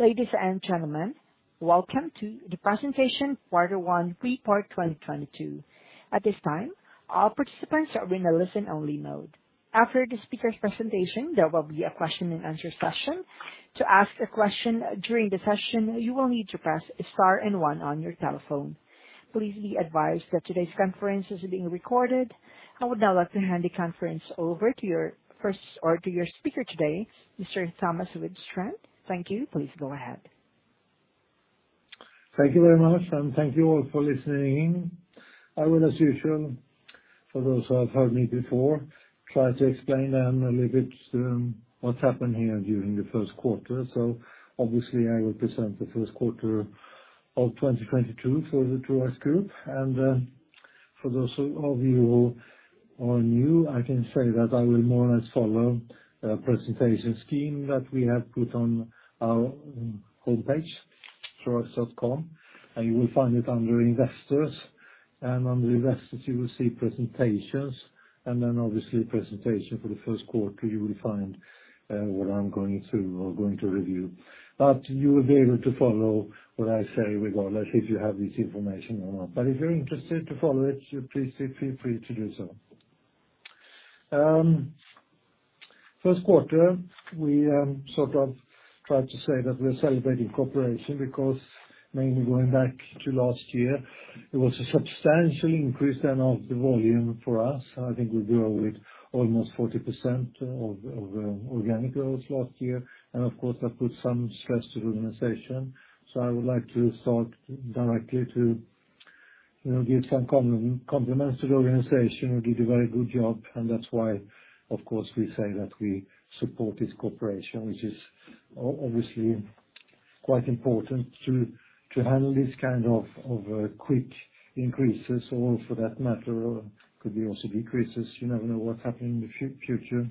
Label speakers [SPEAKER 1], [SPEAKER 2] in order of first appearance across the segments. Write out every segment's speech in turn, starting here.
[SPEAKER 1] Ladies and gentlemen, welcome to the presentation quarter one report 2022. At this time, all participants are in a listen-only mode. After the speaker's presentation, there will be a question and answer session. To ask a question during the session, you will need to press star and one on your telephone. Please be advised that today's conference is being recorded. I would now like to hand the conference over to your speaker today, Mr. Thomas Widstrand. Thank you. Please go ahead.
[SPEAKER 2] Thank you very much, and thank you all for listening. I will, as usual, for those who have heard me before, try to explain a little bit what's happened here during the first quarter. Obviously I will present the first quarter of 2022 for the Troax Group. For those of you who are new, I can say that I will more or less follow a presentation scheme that we have put on our homepage, troax.com, and you will find it under Investors. Under Investors you will see Presentations, and then obviously Presentation for the first quarter you will find what I'm going through or going to review. You will be able to follow what I say regardless if you have this information or not. If you're interested to follow it, you please feel free to do so. First quarter, we sort of tried to say that we are celebrating cooperation because mainly going back to last year, it was a substantial increase then of the volume for us. I think we grew with almost 40% of organic growth last year, and of course that put some stress to the organization. I would like to start directly to, you know, give some compliments to the organization who did a very good job, and that's why, of course, we say that we support this cooperation, which is obviously quite important to handle this kind of quick increases or for that matter, could be also decreases. You never know what's happening in the future.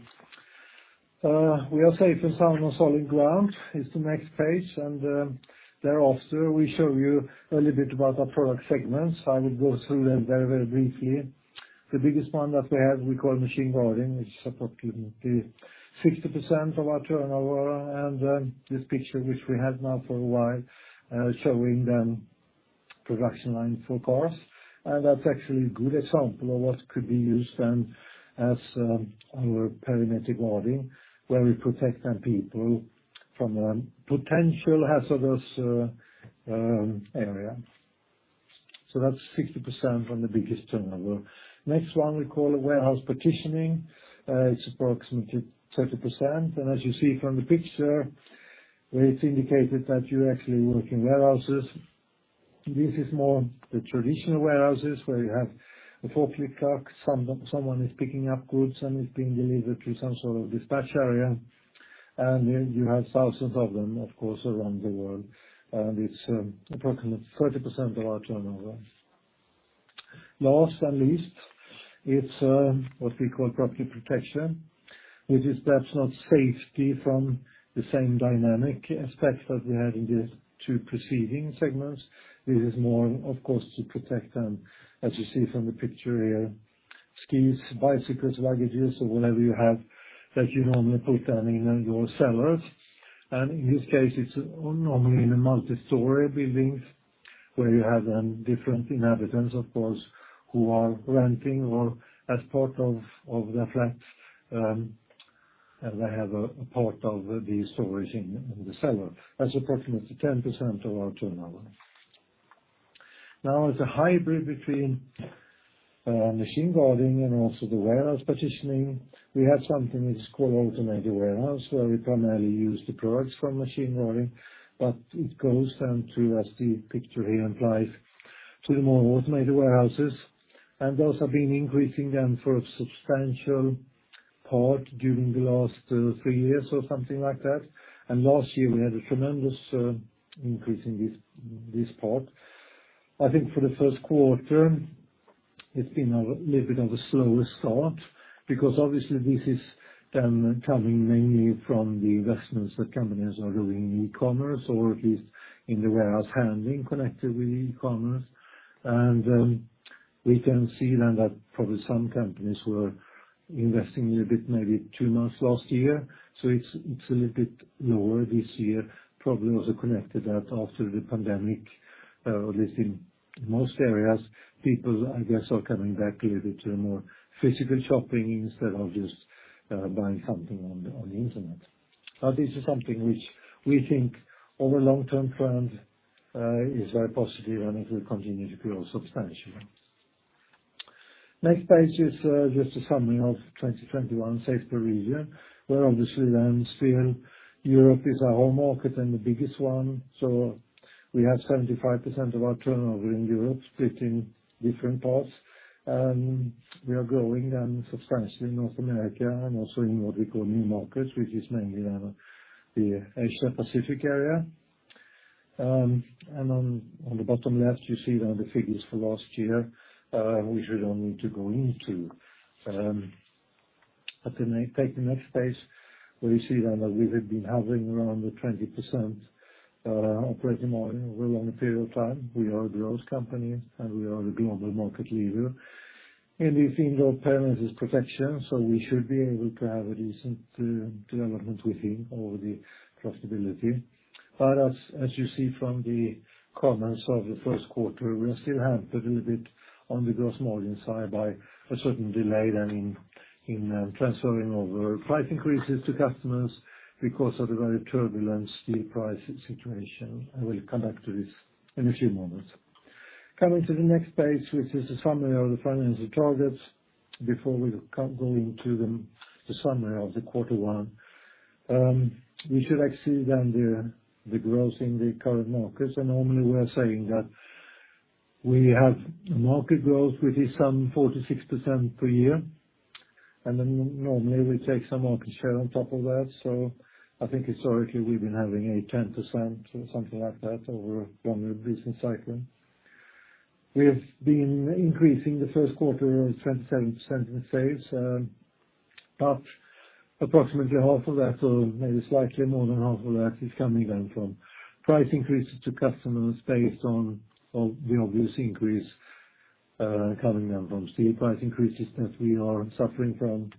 [SPEAKER 2] We are safe and sound on solid ground is the next page, and thereafter, we show you a little bit about our product segments. I will go through them very, very briefly. The biggest one that we have we call machine guarding, which is approximately 60% of our turnover. This picture, which we have now for a while, showing the production line for cars. That's actually a good example of what could be used as our perimeter guarding, where we protect the people from potential hazardous area. That's 60% from the biggest turnover. Next one we call warehouse partitioning. It's approximately 30%. As you see from the picture, where it's indicated that you're actually working warehouses, this is more the traditional warehouses where you have a forklift truck. Someone is picking up goods, and it's being delivered to some sort of dispatch area. You have thousands of them, of course, around the world, and it's approximately 30% of our turnover. Last and least, it's what we call property protection. It is perhaps not safety from the same dynamic aspect that we had in the two preceding segments. This is more, of course, to protect, as you see from the picture here, skis, bicycles, luggage or whatever you have that you normally put down in your cellars. In this case it's normally in multistory buildings where you have different inhabitants, of course, who are renting or as part of their flats, they have a part of the storage in the cellar. That's approximately 10% of our turnover. Now as a hybrid between machine guarding and also the warehouse partitioning, we have something that is called automated warehouse where we primarily use the products from machine guarding, but it goes down to, as the picture here implies, to the more automated warehouses. Those have been increasing for a substantial part during the last three years or something like that. Last year we had a tremendous increase in this part. I think for the first quarter it's been a little bit of a slower start because obviously this is coming mainly from the investments that companies are doing in e-commerce or at least in the warehouse handling connected with e-commerce. We can see then that probably some companies were investing a bit maybe two months last year, so it's a little bit lower this year. Probably also connected that after the pandemic, at least in most areas, people I guess are coming back a little bit to a more physical shopping instead of just, buying something on the, on the internet. This is something which we think over long-term trend is very positive and it will continue to grow substantially. Next page is just a summary of 2021, say, per region, where obviously then still Europe is our home market and the biggest one. We have 75% of our turnover in Europe split in different parts. We are growing substantially in North America and also in what we call new markets, which is mainly the Asia-Pacific area. On the bottom left you see there the figures for last year, which we don't need to go into. The intake next page where you see then that we have been hovering around the 20%. Our operating model over a long period of time. We are the host company, and we are the global market leader. We think of perimeters as protection, so we should be able to have a decent development within all the flexibility. As you see from the comments of the first quarter, we are still hampered a little bit on the gross margin side by a certain delay in transferring price increases to customers because of the very turbulent steel price situation. I will come back to this in a few moments. Coming to the next page, which is a summary of the financial targets before we go into the summary of the quarter one. We should exceed then the growth in the current markets, and normally we are saying that we have market growth, which is some 4%-6% per year. Normally, we take some market share on top of that. I think historically, we've been having a 10% or something like that over one business cycle. We have been increasing the first quarter of 27% in sales, but approximately half of that or maybe slightly more than half of that is coming down from price increases to customers based on the obvious increase coming down from steel price increases that we are suffering from.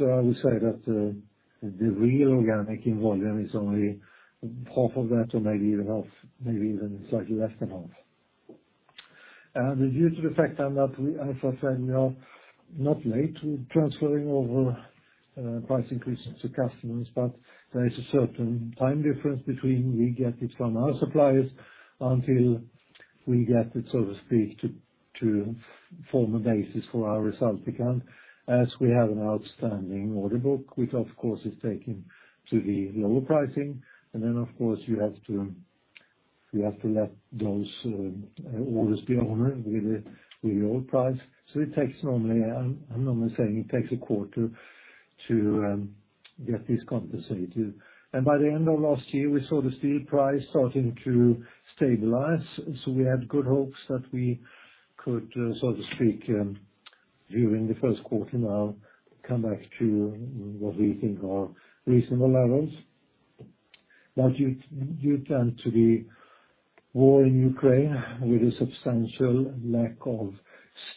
[SPEAKER 2] I would say that the real organic volume is only half of that or maybe even half, maybe even slightly less than half. Due to the fact that we as I said, we are not late transferring over price increases to customers, but there is a certain time difference between we get it from our suppliers until we get it, so to speak, to form a basis for our result account. We have an outstanding order book, which of course is taking to the lower pricing. Of course, you have to let those orders be honored with the old price. It takes normally. I'm normally saying it takes a quarter to get this compensated. By the end of last year, we saw the steel price starting to stabilize, so we had good hopes that we could, so to speak, during the first quarter now come back to what we think are reasonable levels. Due then to the war in Ukraine, with a substantial lack of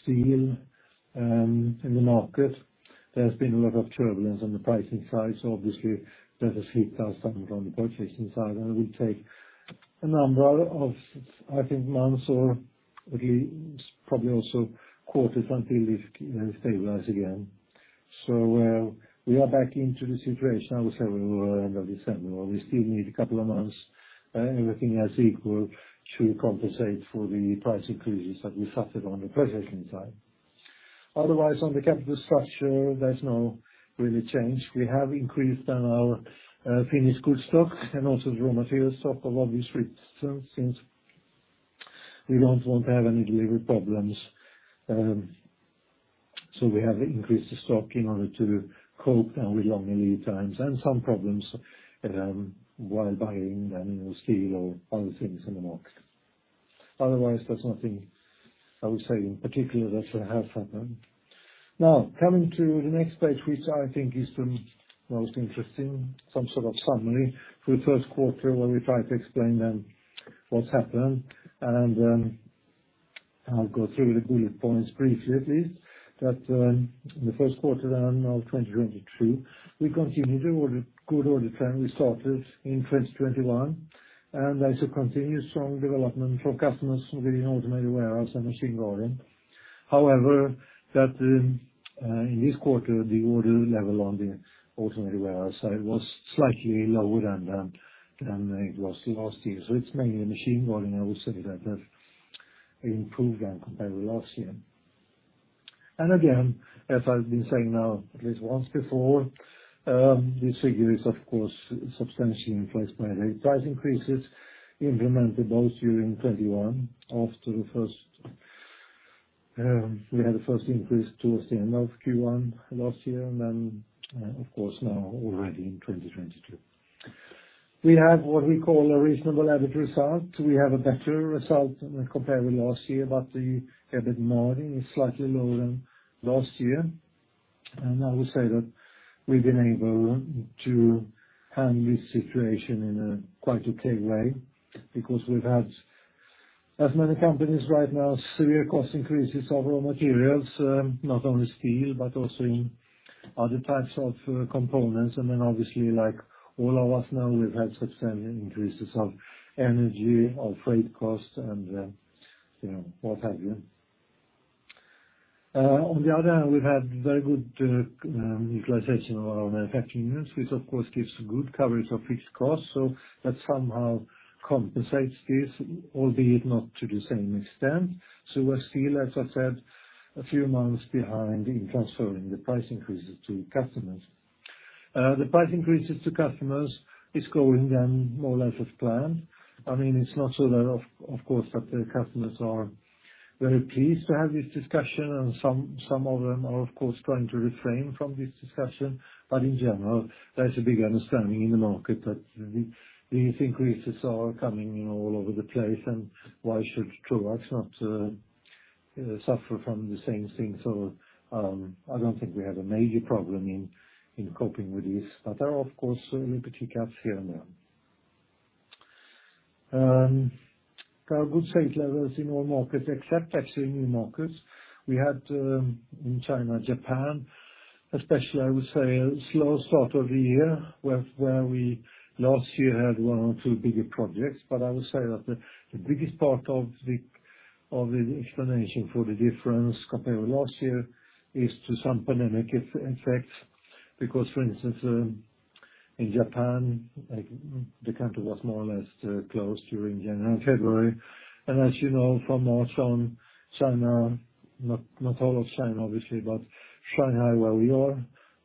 [SPEAKER 2] steel in the market, there's been a lot of turbulence on the pricing side. Obviously that has hit us somewhat on the purchasing side, and it will take a number of, I think, months or at least probably also quarters until this stabilize again. We are back into the situation I would say we were end of December. We still need a couple of months, everything else equal, to compensate for the price increases that we suffered on the purchasing side. Otherwise, on the capital structure, there's no real change. We have increased our finished good stock and also the raw material stock, obviously, since we don't want to have any delivery problems. We have increased the stock in order to cope now with longer lead times and some problems, while buying, I mean, steel or other things in the market. Otherwise, there's nothing I would say in particular that have happened. Now, coming to the next page, which I think is the most interesting, some sort of summary for the first quarter, where we try to explain then what's happened. I'll go through the bullet points briefly, at least, that in the first quarter then of 2023, we continued the good order trend we started in 2021. There's a continuous strong development for customers within automated warehouse and machine guarding. However, that in this quarter, the order level on the automated warehouse was slightly lower than it was last year. It's mainly the machine guarding, I would say that improved then compared to last year. Again, as I've been saying now at least once before, this figure is of course substantially influenced by the price increases implemented. We had the first increase towards the end of Q1 last year and then, of course now already in 2022. We have what we call a reasonable EBIT result. We have a better result compared with last year, but the EBIT margin is slightly lower than last year. I would say that we've been able to handle this situation in a quite okay way because we've had as many companies right now severe cost increases of raw materials, not only steel but also in other types of components. Obviously like all of us now, we've had substantial increases of energy, of freight costs, and, you know, what have you. On the other hand, we've had very good utilization of our manufacturing units, which of course gives good coverage of fixed costs. That somehow compensates this, albeit not to the same extent. We're still, as I said, a few months behind in transferring the price increases to customers. The price increases to customers is going then more or less as planned. I mean, it's not so that of course that the customers are very pleased to have this discussion and some of them are of course trying to refrain from this discussion. In general, there's a big understanding in the market that these increases are coming all over the place, and why should Troax not suffer from the same thing. I don't think we have a major problem in coping with this. There are, of course, little hiccups here and there. There are good sales levels in all markets except actually new markets. We had in China, Japan especially, I would say a slow start of the year, where we last year had one or two bigger projects. I would say that the biggest part of the explanation for the difference compared with last year is due to some pandemic effects. Because for instance, in Japan, like the country was more or less closed during January and February. As you know, from March on, China, not all of China obviously, but Shanghai, where we are,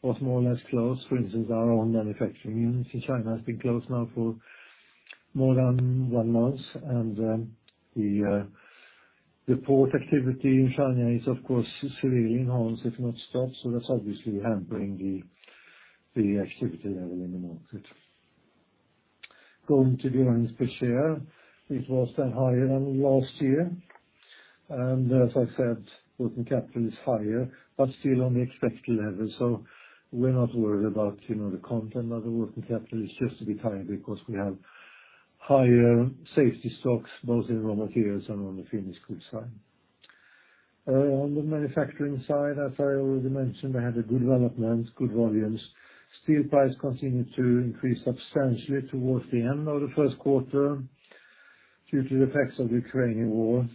[SPEAKER 2] was more or less closed. For instance, our own manufacturing unit in China has been closed now for more than one month. The port activity in China is of course severely hampered, if not stopped. That's obviously hampering the activity level in the market. Going to the earnings per share, it was then higher than last year. As I said, working capital is higher, but still on the expected level. We're not worried about, you know, the content of the working capital. It's just a bit higher because we have higher safety stocks both in raw materials and on the finished goods side. On the manufacturing side, as I already mentioned, we had a good development, good volumes. Steel prices continued to increase substantially towards the end of the first quarter due to the effects of the Ukrainian war.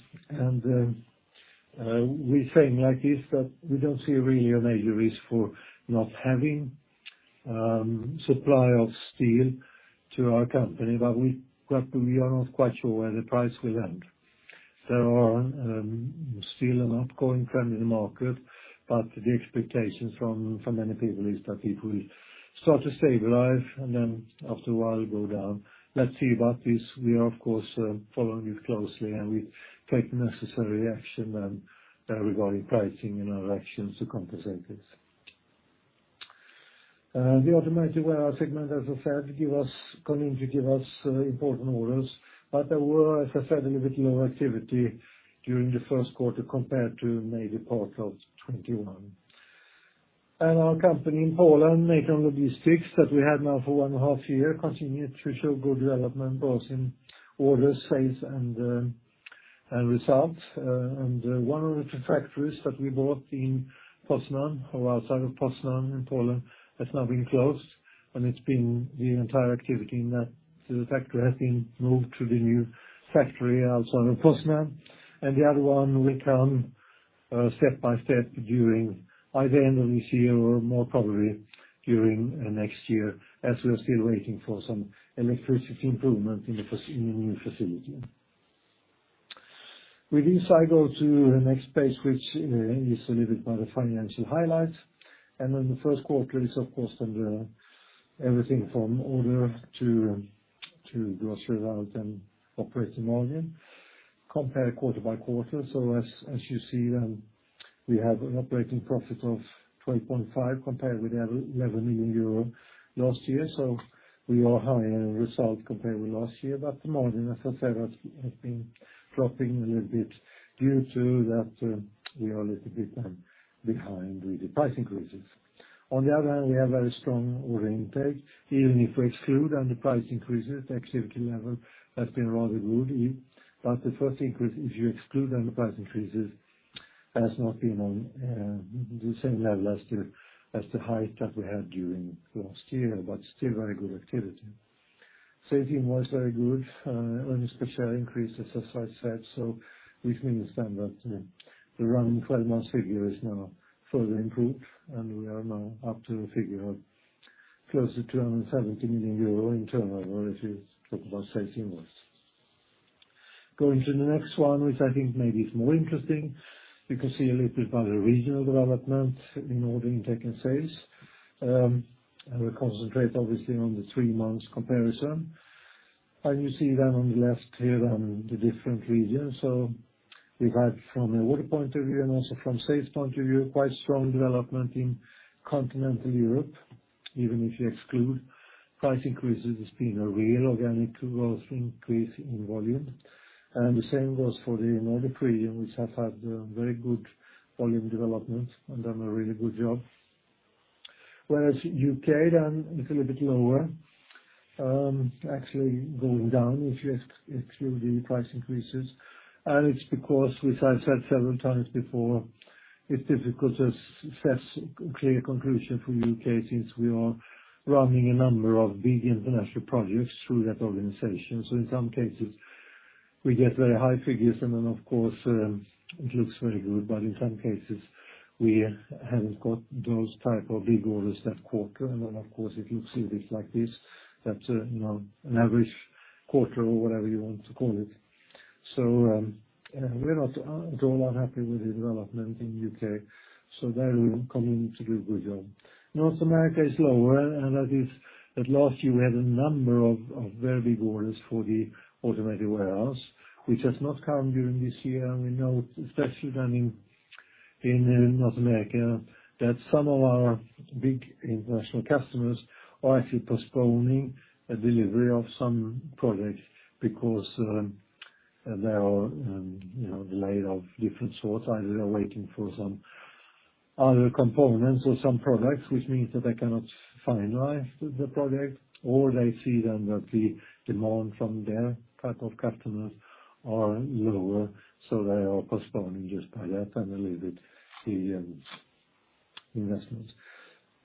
[SPEAKER 2] We frame like this, but we don't see really a major risk for not having supply of steel to our company. We are not quite sure where the price will end. There are still an ongoing trend in the market, but the expectation from many people is that it will start to stabilize and then after a while go down. Let's see. This we are of course following it closely, and we take necessary action regarding pricing and our actions to compensate it. The automated warehouse segment, as I said, continue to give us important orders. There were, as I said, a little bit lower activity during the first quarter compared to maybe part of 2021. Our company in Poland, Natom Logistic, that we had now for 1.5 years, continued to show good development both in orders, sales, and results. One of the two factories that we bought in Poznań or outside of Poznań in Poland has now been closed, and the entire activity in that factory has been moved to the new factory outside of Poznań. The other one will come step by step during either end of this year or more probably during next year, as we're still waiting for some electricity improvement in the new facility. With this, I go to the next page, which is a little bit about the financial highlights. The first quarter is of course everything from order to gross result and operating margin compared quarter by quarter. As you see, we have an operating profit of 12.5 million compared with 11 million euro last year. We have a higher result compared with last year. The margin, as I said, has been dropping a little bit due to that we are a little bit behind with the price increases. On the other hand, we have very strong order intake. Even if we exclude the price increases, the activity level has been rather good. The order intake, if you exclude the price increases, has not been on the same level as the high that we had during last year, but still very good activity. Sales invoice, very good. Earnings per share increase, as I said. Which means then that, the running 12-months figure is now further improved, and we are now up to a figure of close to 270 million euro in turnover if you talk about sales invoice. Going to the next one, which I think maybe is more interesting, you can see a little bit about the regional development in order intake and sales. We concentrate obviously on the 3 months comparison. You see then on the left here, the different regions. We've had from an order point of view and also from sales point of view, quite strong development in continental Europe. Even if you exclude price increases, it's been a real organic growth increase in volume. The same goes for the Nordic region, which have had very good volume development and done a really good job. Whereas U.K., then it's a little bit lower, actually going down if you exclude the price increases. It's because, which I've said several times before, it's difficult to assess clear conclusion for U.K. since we are running a number of big international projects through that organization. In some cases we get very high figures and then of course, it looks very good. In some cases we haven't got those type of big orders that quarter. Then of course, it looks a bit like this, that, you know, an average quarter or whatever you want to call it. We're not at all unhappy with the development in U.K., so they're continuing to do a good job. North America is lower and that is, but last year we had a number of very big orders for the automated warehouse, which has not come during this year. We know especially then in North America that some of our big international customers are actually postponing a delivery of some projects because they are, you know, delayed of different sorts. Either they are waiting for some other components or some products, which means that they cannot finalize the project, or they see then that the demand from their type of customers are lower, so they are postponing just by that and a little bit the investments.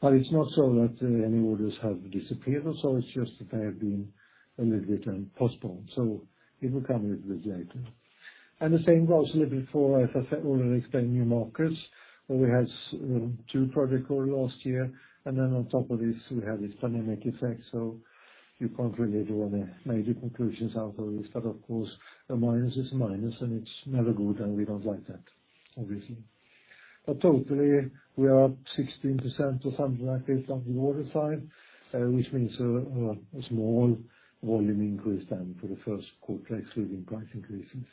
[SPEAKER 2] It's not so that any orders have disappeared, it's just that they have been a little bit postponed. It will come a little bit later. The same goes a little bit for, as I said, already explained new markets, where we had two project orders last year, and then on top of this, we had this pandemic effect. You can't really draw any major conclusions out of this. Of course, a minus is a minus, and it's never good, and we don't like that, obviously. Totally, we are up 16% or something like this on the order side, which means a small volume increase then for the first quarter excluding price increases.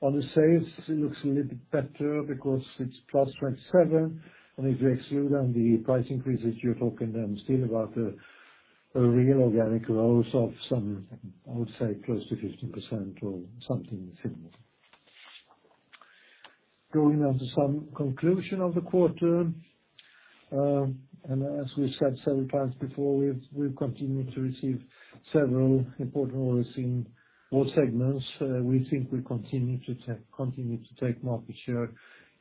[SPEAKER 2] On the sales, it looks a little bit better because it's +27%, and if you exclude then the price increases, you're talking then still about a real organic growth of some, I would say, close to 15% or something similar. Going on to some conclusion of the quarter, and as we've said several times before, we've continued to receive several important orders in all segments. We think we continue to take market share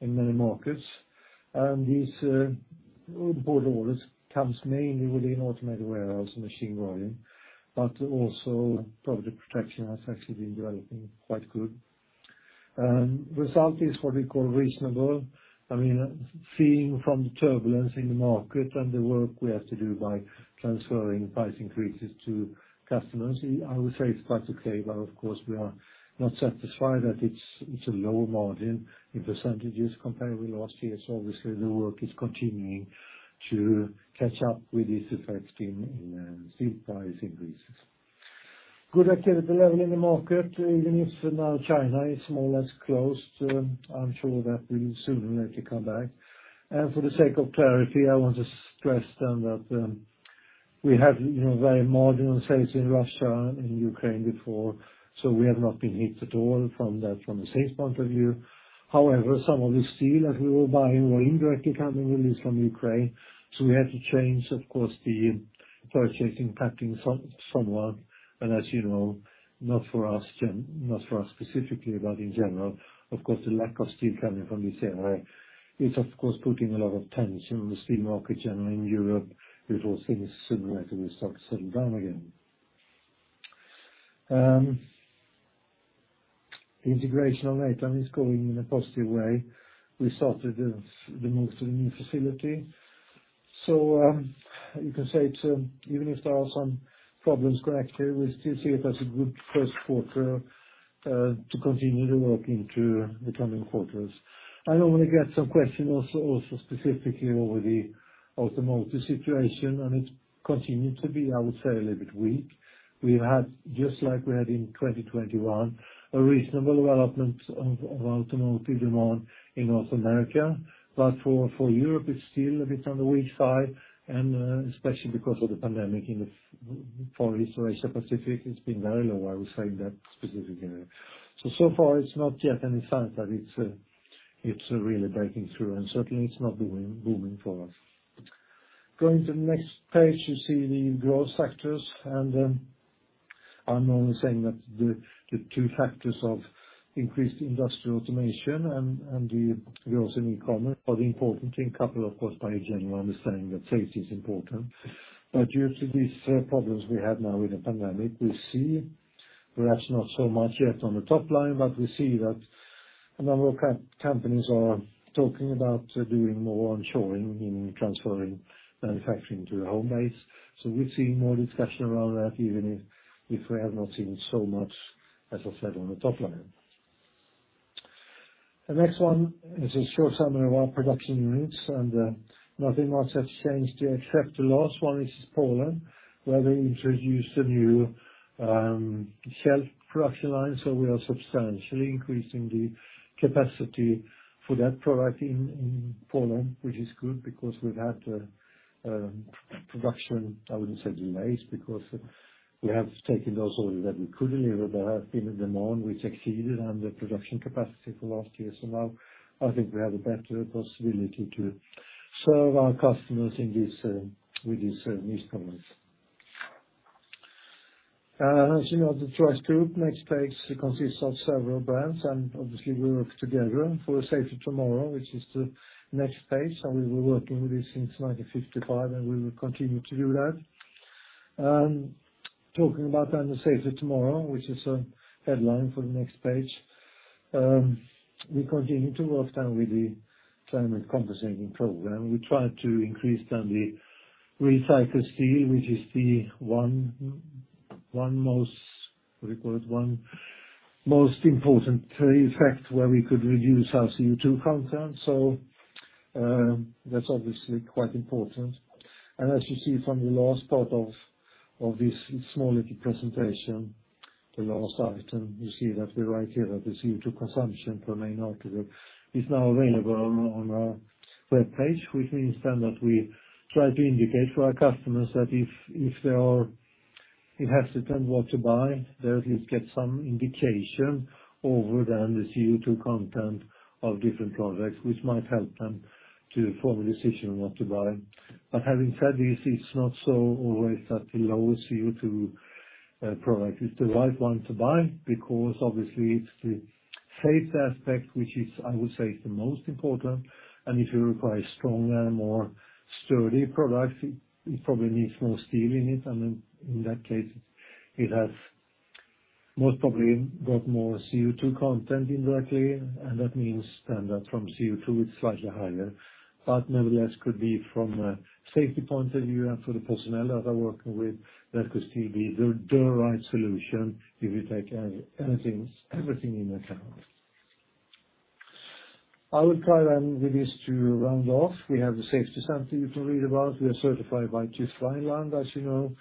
[SPEAKER 2] in many markets. These broad orders comes mainly within automated warehouse and machine guarding, but also property protection has actually been developing quite good. Result is what we call reasonable. I mean, seen from the turbulence in the market and the work we have to do by transferring price increases to customers, I would say it's quite okay. Of course, we are not satisfied that it's a lower margin in percentages compared with last year. Obviously, the work is continuing to catch up with these effects in steel price increases. Good activity level in the market, even if for now China is more or less closed. I'm sure that will soon actually come back. For the sake of clarity, I want to stress then that we have, you know, very marginal sales in Russia and Ukraine before, so we have not been hit at all from that, from a sales point of view. However, some of the steel that we were buying were indirectly coming with this from Ukraine, so we had to change, of course, the purchasing pattern somewhat. As you know, not for us specifically, but in general, of course, the lack of steel coming from this area is of course putting a lot of tension on the steel market generally in Europe, which we'll see sooner or later will start to settle down again. The integration of Natom is going in a positive way. We started the move to the new facility. You can say it's even if there are some problems currently, we still see it as a good first quarter to continue the work into the coming quarters. I normally get some questions also specifically over the automotive situation, and it's continued to be, I would say, a little bit weak. We've had, just like we had in 2021, a reasonable development of automotive demand in North America. For Europe, it's still a bit on the weak side and especially because of the pandemic in Asia-Pacific, it's been very low, I would say, in that specific area. So far it's not yet any sign that it's really breaking through, and certainly it's not booming for us. Going to the next page, you see the growth factors, and I'm only saying that the two factors of increased industrial automation and the growth in e-commerce are the important thing, coupled of course by a general understanding that safety is important. Due to these problems we have now with the pandemic, we see perhaps not so much yet on the top line, but we see that a number of companies are talking about doing more onshoring, meaning transferring manufacturing to their home base. We're seeing more discussion around that, even if we have not seen so much as reflected on the top line. The next one is a short summary of our production units, and nothing much has changed here except the last one is Poland, where we introduced a new shelf production line, so we are substantially increasing the capacity for that product in Poland, which is good because we've had production. I wouldn't say delays because we have taken those orders that we could deliver. There have been a demand which exceeded on the production capacity for last year. Now I think we have a better possibility to serve our customers in this with this new product. As you know, the Troax Group. Next page consists of several brands, and obviously we work together for a safer tomorrow, which is the next page. We were working with this since 1955, and we will continue to do that. Talking about the safer tomorrow, which is a headline for the next page, we continue to work with the climate compensating program. We try to increase the recycled steel, which is the one most important effect where we could reduce our CO2 content. That's obviously quite important. As you see from the last part of this small little presentation, the last item, you see that we write here that the CO2 consumption per main article is now available on our webpage, which means that we try to indicate for our customers that if they hesitate what to buy, they at least get some indication over the CO2 content of different products which might help them to form a decision on what to buy. Having said this, it's not so always that the lowest CO2 product is the right one to buy because obviously it's the safety aspect, which is, I would say, the most important. If you require stronger, more sturdy products, it probably needs more steel in it, and in that case, it has most probably got more CO2 content indirectly, and that means then that from CO2 it's slightly higher. Nevertheless could be from a safety point of view and for the personnel that are working with, that could still be the right solution if you take anything, everything into account. I will try then with this to round off. We have the safety center you can read about. We are certified by TÜV Rheinland, as you know.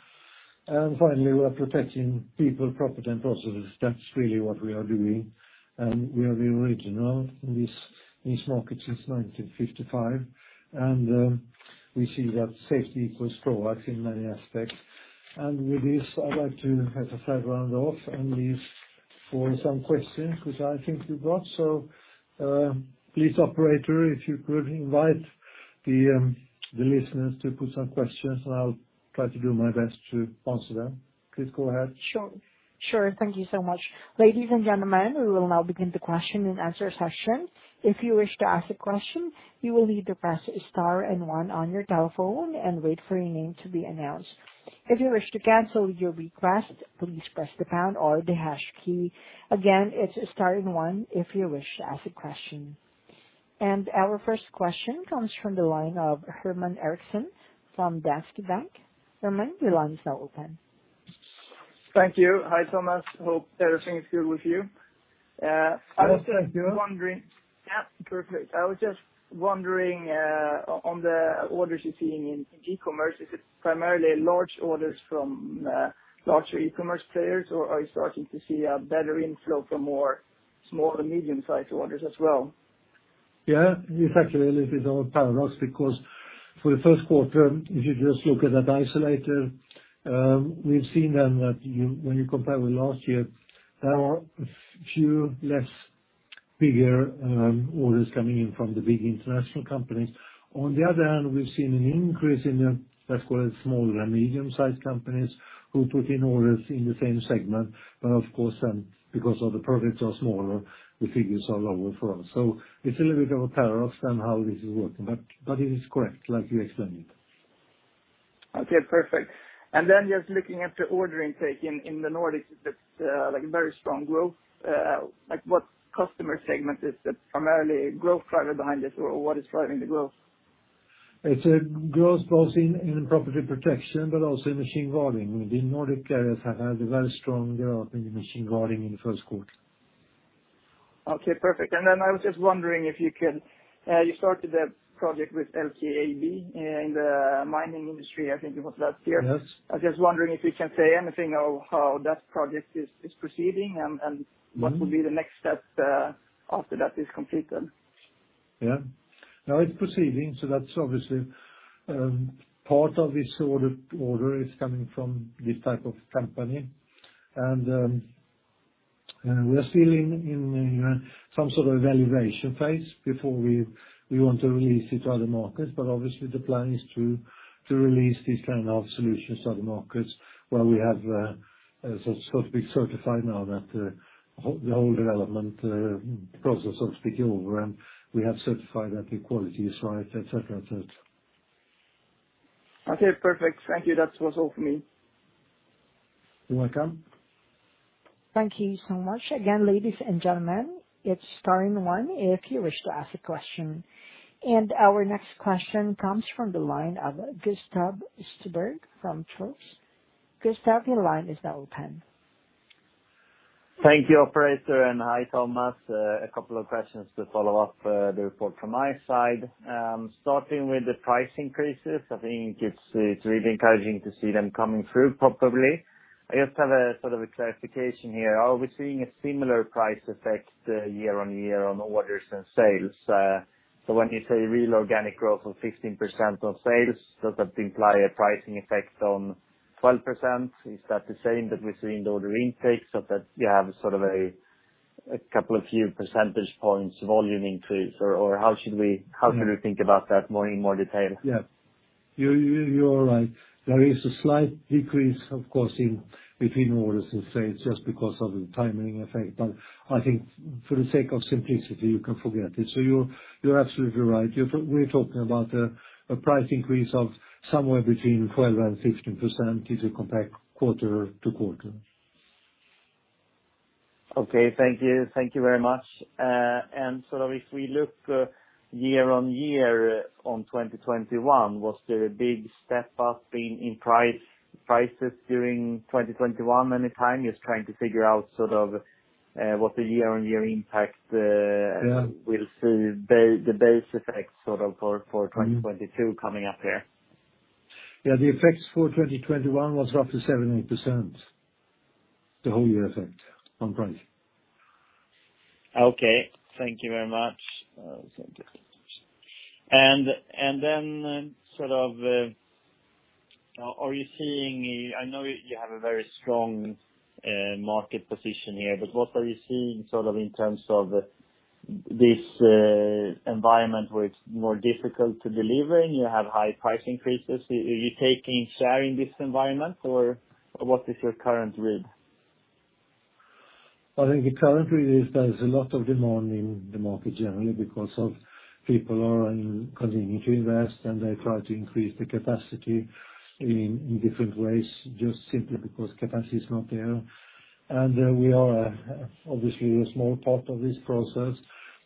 [SPEAKER 2] Finally, we are protecting people, property and processes. That's really what we are doing. We are the original in this market since 1955. We see that safety equals growth in many aspects. With this, I'd like to, as I said, round off and leave for some questions which I think we've got. Please, operator, if you could invite the listeners to put some questions, and I'll try to do my best to answer them. Please go ahead.
[SPEAKER 1] Sure. Sure. Thank you so much. Ladies and gentlemen, we will now begin the question and answer session. If you wish to ask a question, you will need to press star and one on your telephone and wait for your name to be announced. If you wish to cancel your request, please press the pound or the hash key. Again, it's star and one if you wish to ask a question. Our first question comes from the line of Herman Eriksson from Danske Bank. Herman, your line is now open.
[SPEAKER 3] Thank you. Hi, Thomas. Hope everything is good with you.
[SPEAKER 2] Yes, thank you.
[SPEAKER 3] I was just wondering on the orders you're seeing in e-commerce, is it primarily large orders from larger e-commerce players, or are you starting to see a better inflow from more small or medium-sized orders as well?
[SPEAKER 2] Yeah. It's actually a little bit of a paradox because for the first quarter, if you just look at that isolated, we've seen then that when you compare with last year, there are a few less bigger orders coming in from the big international companies. On the other hand, we've seen an increase in the, let's call it, smaller and medium-sized companies who put in orders in the same segment. Of course then, because of the products are smaller, the figures are lower for us. It's a little bit of a paradox then how this is working. It is correct, like you explained it.
[SPEAKER 3] Okay. Perfect. Just looking at the order intake in the Nordics, is this like very strong growth? Like what customer segment is the primary growth driver behind this or what is driving the growth?
[SPEAKER 2] It's a growth both in property protection but also in machine guarding. The Nordic areas have had a very strong growth in the machine guarding in the first quarter.
[SPEAKER 3] Okay. Perfect. I was just wondering, you started a project with LKAB in the mining industry, I think it was last year.
[SPEAKER 2] Yes.
[SPEAKER 3] I'm just wondering if you can say anything of how that project is proceeding and what will be the next step after that is completed?
[SPEAKER 2] Yeah. No, it's proceeding, so that's obviously part of this order is coming from this type of company. We are still in some sort of evaluation phase before we want to release it to other markets. Obviously the plan is to release these kind of solutions to other markets where we have so it's got to be certified now that the whole development process is over, and we have certified that the quality is right, et cetera, et cetera.
[SPEAKER 3] Okay. Perfect. Thank you. That was all for me.
[SPEAKER 2] You're welcome.
[SPEAKER 1] Thank you so much. Again, ladies and gentlemen, it's star and one if you wish to ask a question. Our next question comes from the line of Gustaf Stenberg from Carnegie. Gustav, your line is now open.
[SPEAKER 4] Thank you, operator. Hi, Thomas. A couple of questions to follow up the report from my side. Starting with the price increases, I think it's really encouraging to see them coming through properly. I just have a sort of a clarification here. All we seeing a similar price effect year-on-year on orders and sales, so when you say real organic growth of 15% on sales, does that imply a pricing effect on 12%? Is that the same that we're seeing the order intakes, or that you have sort of a couple of few percentage points volume increase? How should we, how should we think about that more, in more detail?
[SPEAKER 2] Yeah. You are right. There is a slight decrease, of course, in between orders, let's say, it's just because of the timing effect. I think for the sake of simplicity, you can forget it. You're absolutely right. We're talking about a price increase of somewhere between 12% and 16% if you compare quarter-over-quarter.
[SPEAKER 4] Thank you. Thank you very much. If we look year-on-year on 2021, was there a big step up in prices during 2021 anytime? Just trying to figure out what the year-on-year impact. We'll see the base effect sort of for 2022 coming up here.
[SPEAKER 2] Yeah, the effects for 2021 was up to 70%, the whole year effect on price.
[SPEAKER 4] Okay, thank you very much.
[SPEAKER 2] Thank you.
[SPEAKER 4] I know you have a very strong market position here, but what are you seeing sort of in terms of this environment where it's more difficult to deliver and you have high price increases. Are you taking share in this environment, or what is your current read?
[SPEAKER 2] I think the current read is there's a lot of demand in the market generally because of people are continuing to invest and they try to increase the capacity in different ways, just simply because capacity is not there. We are obviously a small part of this process.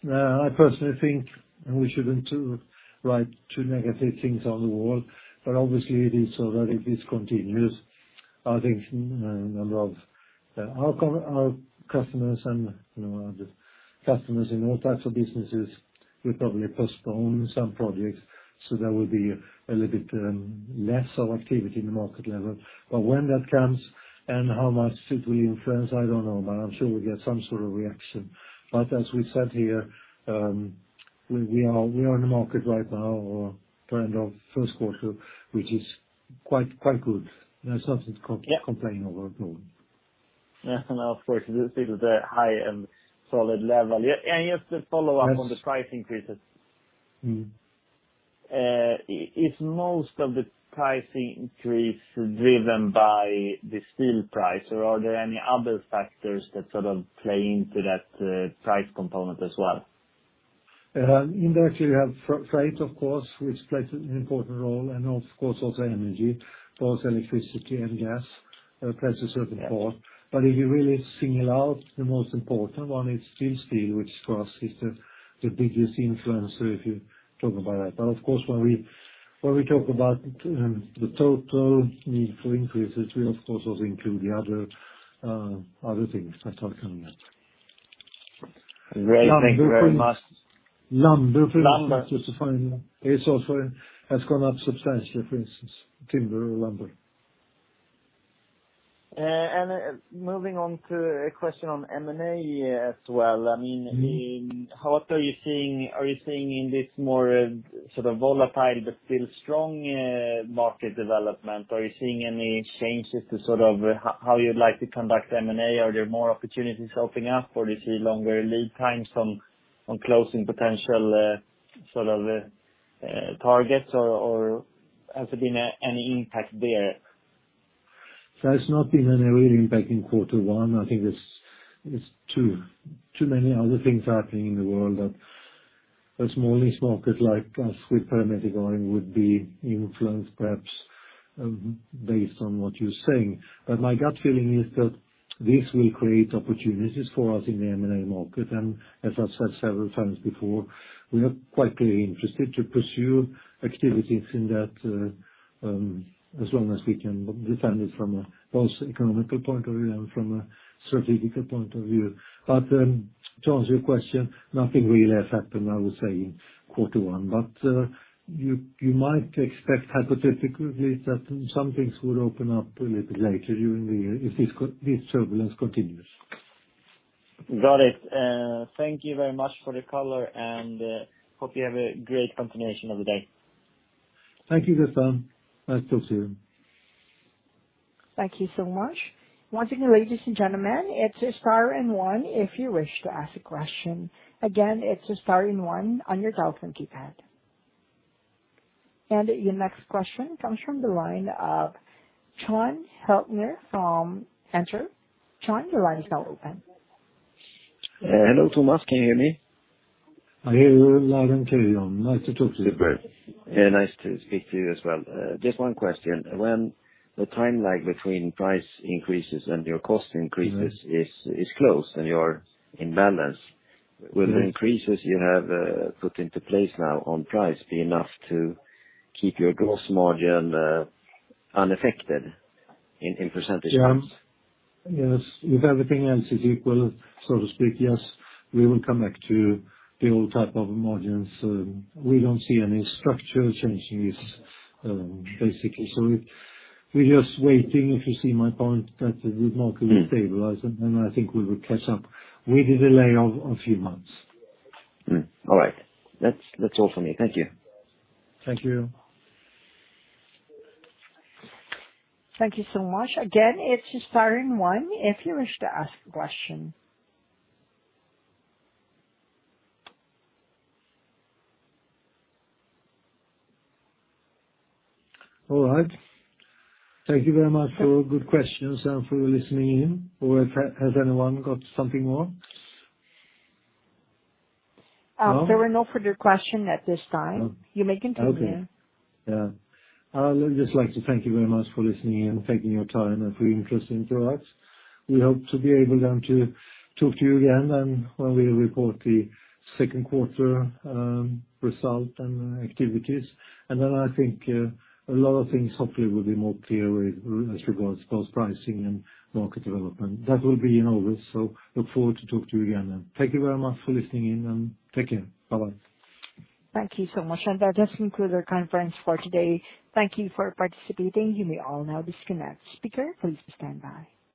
[SPEAKER 2] Now, I personally think we shouldn't write too negative things on the wall, but obviously it is so that if this continues, I think a number of our customers and, you know, other customers in all types of businesses will probably postpone some projects, so there will be a little bit, less of activity in the market level. When that comes and how much it will influence, I don't know, but I'm sure we'll get some sort of reaction. As we said here, we are in the market right now or kind of first quarter, which is quite good. There's nothing to complain over at all.
[SPEAKER 4] Yeah. Of course, you see the high-end solid level. Yeah. Just to follow up on the price increases. Is most of the price increase driven by the steel price, or are there any other factors that sort of play into that price component as well?
[SPEAKER 2] In there you have freight of course, which plays an important role and of course also energy, both electricity and gas, prices of the port. If you really single out the most important one, it's still steel, which to us is the biggest influencer if you talk about that. Of course, when we talk about the total need for increases, we of course also include the other things I talked about.
[SPEAKER 4] Great. Thank you very much.
[SPEAKER 2] It also has gone up substantially, for instance, timber or lumber.
[SPEAKER 4] Moving on to a question on M&A as well. I mean, are you seeing in this more sort of volatile but still strong market development, are you seeing any changes to sort of how you'd like to conduct M&A? Are there more opportunities opening up, or do you see longer lead times on closing potential sort of targets, or has there been any impact there?
[SPEAKER 2] There's not been any real impact in quarter one. I think there's too many other things happening in the world that a smallish market like us with [perimeter guarding] going would be influenced, perhaps, based on what you're saying. My gut feeling is that this will create opportunities for us in the M&A market. As I've said several times before, we are quite clearly interested to pursue activities in that, as long as we can defend it from a both economical point of view and from a strategical point of view. To answer your question, nothing really has happened, I would say, in quarter one. You might expect hypothetically that some things will open up a little bit later during the year if this turbulence continues.
[SPEAKER 4] Got it. Thank you very much for the color, and hope you have a great continuation of the day.
[SPEAKER 2] Thank you, Gustaf. Nice talk to you.
[SPEAKER 1] Thank you so much. Once again, ladies and gentlemen, it's star and one if you wish to ask a question. Again, it's a star and one on your telephone keypad. Your next question comes from the line of Jon Hyltner from Enter. Jon, your line is now open.
[SPEAKER 5] Hello, Thomas. Can you hear me?
[SPEAKER 2] I hear you loud and clear, Jon. Nice to talk to you.
[SPEAKER 5] Yeah, nice to speak to you as well. Just one question. When the timeline between price increases and your cost increases is close and you're in balance, will the increases you have put into place now on price be enough to keep your gross margin unaffected in percentage terms?
[SPEAKER 2] Yes. If everything else is equal, so to speak, yes, we will come back to the old type of margins. We don't see any structural changes, basically. We're just waiting, if you see my point, that the market will stabilize, and I think we will catch up with a delay of a few months.
[SPEAKER 5] All right. That's all for me. Thank you.
[SPEAKER 2] Thank you.
[SPEAKER 1] Thank you so much. Again, it's star and one if you wish to ask a question.
[SPEAKER 2] All right. Thank you very much for good questions and for listening in. Has anyone got something more? No?
[SPEAKER 1] There are no further questions at this time. You may continue.
[SPEAKER 2] Okay. Yeah. I would just like to thank you very much for listening and taking your time and for your interest in Troax. We hope to be able then to talk to you again, and when we report the second quarter result and activities. Then I think a lot of things hopefully will be more clear with, as regards both pricing and market development. That will be in August. Look forward to talk to you again then. Thank you very much for listening in, and take care. Bye-bye.
[SPEAKER 1] Thank you so much. That does conclude our conference for today. Thank you for participating. You may all now disconnect. Speaker, please stand by.